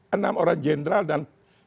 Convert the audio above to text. enam orang jenderal dan